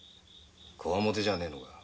こわもてじゃないのか？